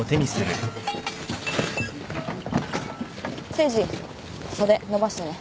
誠治袖伸ばしてね。